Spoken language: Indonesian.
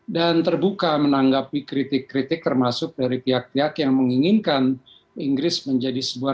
dan terbuka menanggapi kritik kritik termasuk dari pihak pihak yang menginginkan inggris menjadi sebuah